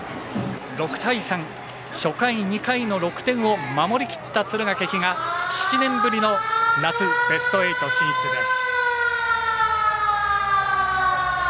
６対３、初回、２回の得点を守りきった敦賀気比が７年ぶりの夏ベスト８進出です。